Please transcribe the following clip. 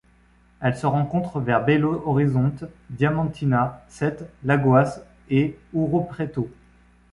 Elle se rencontre vers Belo Horizonte, Diamantina, Sete Lagoas et Ouro Preto.